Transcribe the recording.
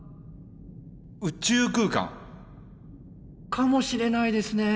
宇宙空間！かもしれないですねぇ。